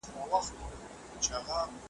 خاونده څه سول د ښار ښاغلي .